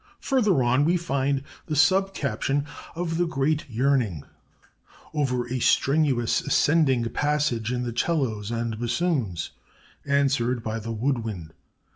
"Further on we find the sub caption, 'OF THE GREAT YEARNING,' over a strenuous ascending passage in the 'cellos and bassoons, answered by the wood wind.